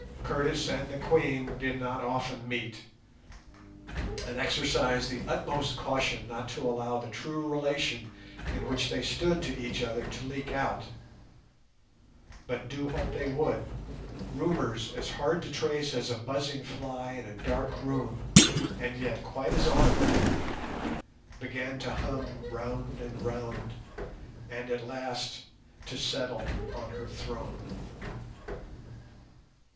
Curtis and the Queen did not often meet, and exercised the utmost caution not to allow the true relation in which they stood to each other to leak out; but do what they would, rumours as hard to trace as a buzzing fly in a dark room, and yet quite as audible, began to hum round and round, and at last to settle on her throne.